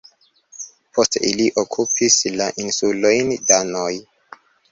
Post ili okupis la insulojn danoj.